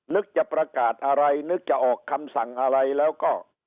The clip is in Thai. นึกจะประกาศอะไรนึกจะออกคำสั่งอะไรแล้วก็